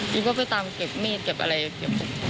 พี่ก็ไปตามเก็บมีดเก็บอะไร